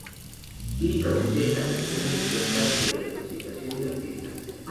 Líricamente, la canción es acerca de la intoxicación y la fiesta.